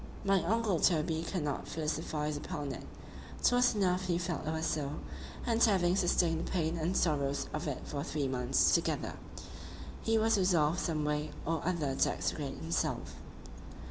—My uncle Toby could not philosophize upon it;—'twas enough he felt it was so,—and having sustained the pain and sorrows of it for three months together, he was resolved some way or other to extricate himself.